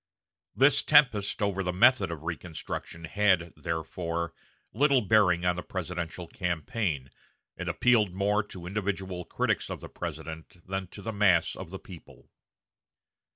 This tempest over the method of reconstruction had, therefore, little bearing on the presidential campaign, and appealed more to individual critics of the President than to the mass of the people.